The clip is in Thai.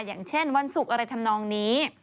อย่างเช่นวันศุกร์อะไรทำนองนี้